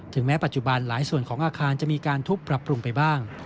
แม้ปัจจุบันหลายส่วนของอาคารจะมีการทุบปรับปรุงไปบ้าง